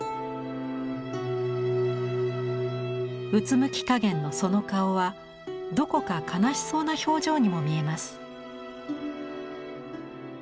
うつむきかげんのその顔はどこか悲しそうな表情にも見えます。